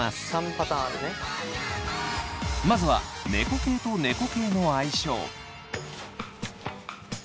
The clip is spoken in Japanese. まずは猫系と猫系の相性。